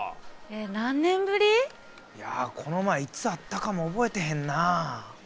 えっ何年ぶり？いやこの前いつ会ったかも覚えてへんなあ。